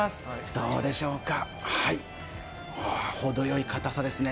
どうでしょうか、ほどよいかたさですね。